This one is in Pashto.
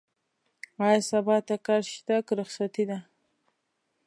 ايا سبا ته کار شته؟ که رخصتي ده؟